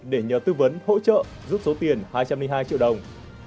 để nhờ tư vấn hỗ trợ giúp số tiền hai trăm linh hai triệu đồng